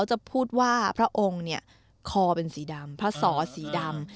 จะพูดว่าพระองค์เนี่ยคอเป็นสีดำพระสอสีดำ